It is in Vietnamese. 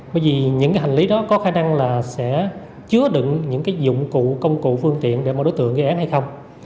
bởi vì những hành lý đó có khả năng là sẽ chứa đựng những dụng cụ công cụ phương tiện để mọi đối tượng ghi án hay không